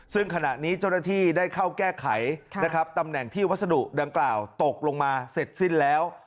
ซึ่งขณะนี้เจ้าหน้าที่ได้เข้าแก้ไขนะครับตำแหน่งที่วัสดุดังกล่าวตกลงมาเสร็จสิ้นแล้ว